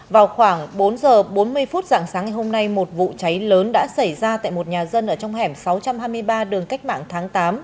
vào khoảng bốn giờ bốn mươi phút dạng sáng ngày hôm nay một vụ cháy lớn đã xảy ra tại một nhà dân ở trong hẻm sáu trăm hai mươi ba đường cách mạng tháng tám